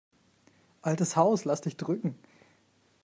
Altes Haus, lass dich drücken!